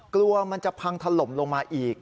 กลัวมันจะพังถล่มลงมาอีก